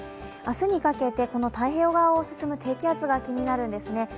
明日にかけてこの太平洋側を進む低気圧が気になるんですね。